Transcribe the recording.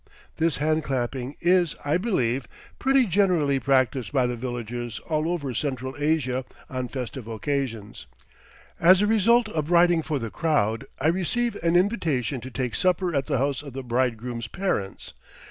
This hand clapping is, I believe, pretty generally practiced by the villagers all over Central Asia on festive occasions. As a result of riding for the crowd, I receive an invitation to take supper at the house of the bridegroom's parents.